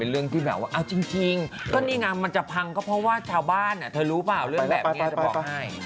เรื่องแบบนี้จะบอกให้